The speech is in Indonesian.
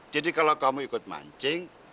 jadi kalau kamu ikut mancing